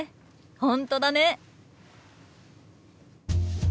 本当だね！